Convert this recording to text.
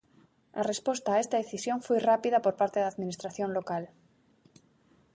A resposta a esta decisión foi rápida por parte da administración local.